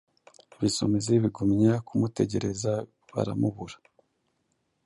Ibisumizi bigumya kumutegereza baramubura.